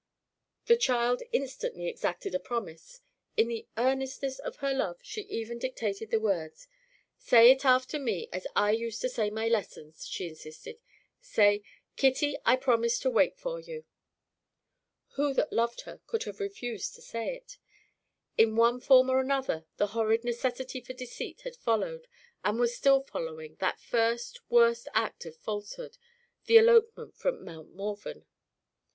The child instantly exacted a promise. In the earnestness of her love she even dictated the words. "Say it after me, as I used to say my lessons," she insisted. "Say, 'Kitty, I promise to wait for you.'" Who that loved her could have refused to say it! In one form or another, the horrid necessity for deceit had followed, and was still following, that first, worst act of falsehood the elopement from Mount Morven.